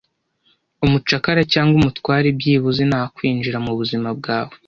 umucakara cyangwa umutware byibuze nakwinjira mubuzima bwawe